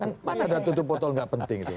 kan mana ada tutup botol gak penting gitu